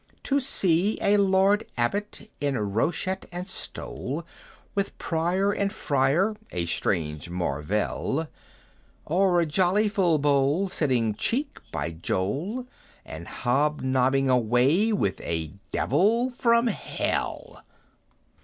"To see a Lord Abbot, in rochet and stole, With Prior and Friar, a strange mar velle! O'er a jolly full bowl, sitting cheek by jowl, And hob nobbing away with a Devil from Hell!"